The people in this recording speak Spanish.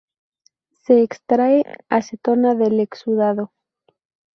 Se extrae acetona del exudado.